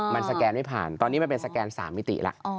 มันสแกนไม่ผ่านตอนนี้มันเป็นสแกน๓มิติแล้ว